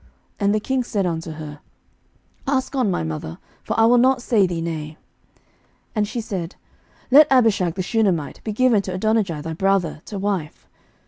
And the king said unto her, Ask on, my mother: for I will not say thee nay. 11:002:021 And she said, Let Abishag the Shunammite be given to Adonijah thy brother to wife.